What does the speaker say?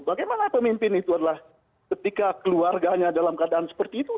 bagaimana pemimpin itu adalah ketika keluarganya dalam keadaan seperti itu